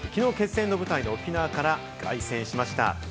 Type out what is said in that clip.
きのう決戦の舞台・沖縄から凱旋しました。